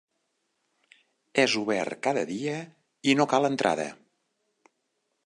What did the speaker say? És obert cada dia i no cal entrada.